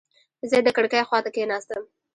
زه د کړکۍ خواته کېناستم.